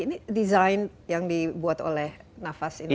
ini desain yang dibuat oleh nafas ini